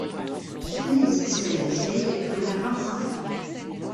Tenez, dit-il à la vieille, voilà vingt-cinq francs.